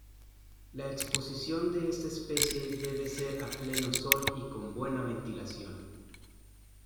La exposición de esta especie debe ser a pleno sol y con buena ventilación.